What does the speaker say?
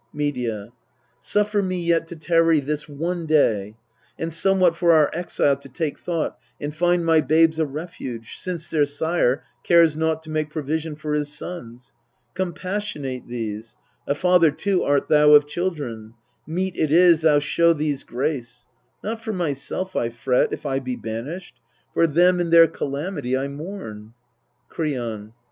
Medea. Suffer me yet to tarry this one day, And somewhat for our exile to take thought, And find my babes a refuge, since their sire Cares naught to make provision for his sons. Compassionate these : a father^too art thou Of children : meet it is thou show these grace. Not for myself I fret, if I be banished : For them in their calamity I mourn. Kreon.